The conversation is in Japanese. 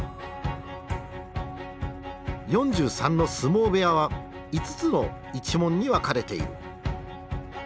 ４３の相撲部屋は５つの一門に分かれている。